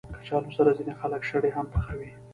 کچالو سره ځینې خلک شړې هم پخوي